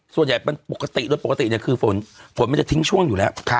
ส่วนใหญ่เป็นปกติโดยปกติเนี่ยคือฝนฝนมันจะทิ้งช่วงอยู่แล้ว